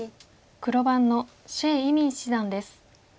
黒番の謝依旻七段です。